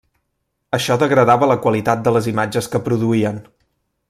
Això degradava la qualitat de les imatges que produïen.